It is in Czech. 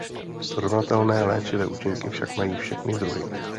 Srovnatelné léčivé účinky však mají všechny druhy.